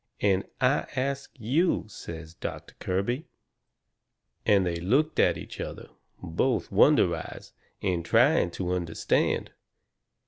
"And I ask you," says Doctor Kirby. And they looked at each other, both wonderized, and trying to understand.